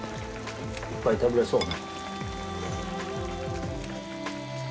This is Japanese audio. いっぱい食べれそうね。